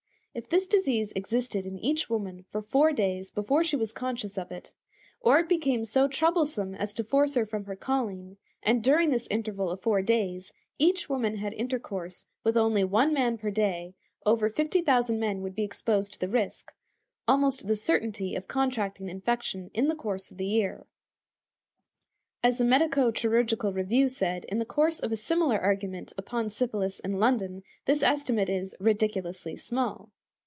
If this disease existed in each woman for four days before she was conscious of it, or it became so troublesome as to force her from her calling, and during this interval of four days each woman had intercourse with only one man per day, over fifty thousand men would be exposed to the risk, almost the certainty of contracting infection in the course of the year. As the Medico Chirurgical Review said, in the course of a similar argument upon syphilis in London, this estimate is "ridiculously small."